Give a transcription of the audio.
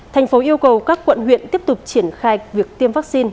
tp yêu cầu các quận huyện tiếp tục triển khai việc tiêm vaccine